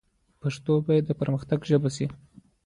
پښتو باید د پرمختګ ژبه شي.